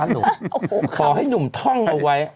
หนุ่มขอให้หนุ่มท่องเอาไว้